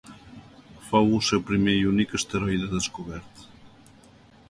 Fou el seu primer i únic asteroide descobert.